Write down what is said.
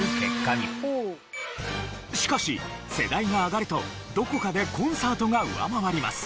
しかし世代が上がるとどこかでコンサートが上回ります。